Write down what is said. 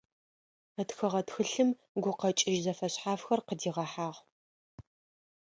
Ытхыгъэ тхылъым гукъэкӏыжь зэфэшъхьафхэр къыдигъэхьагъ.